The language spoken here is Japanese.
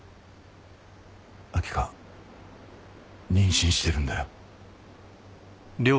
秋香妊娠してるんだよ。